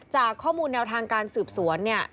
จากข้อมูลแนวทางการสืบสวน